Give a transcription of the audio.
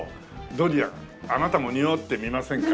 ドリアンあなたもにおってみませんか？